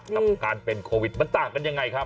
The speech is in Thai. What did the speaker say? กับการเป็นโควิดมันต่างกันยังไงครับ